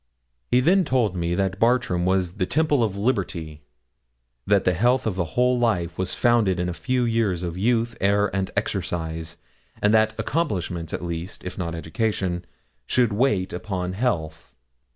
He then told me that Bartram was the temple of liberty, that the health of a whole life was founded in a few years of youth, air, and exercise, and that accomplishments, at least, if not education, should wait upon health.